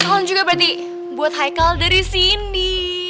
salam juga berarti buat haikal dari cindy